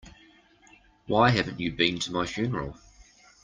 Why haven't you been to my funeral?